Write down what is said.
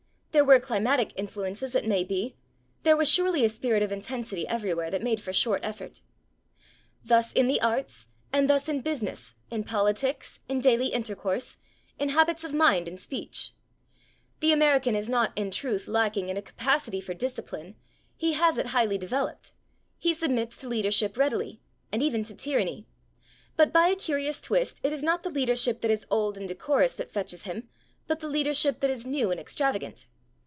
There were climatic influences, it may be; there was surely a spirit of intensity everywhere that made for short effort." Thus, in the arts, and thus in business, in politics, in daily intercourse, in habits of mind and speech. The American is not, in truth, lacking in a capacity for discipline; he has it highly developed; he submits to leadership readily, and even to tyranny. But, by a curious twist, it is not the leadership that is old and decorous that fetches him, but the leadership that is new and extravagant.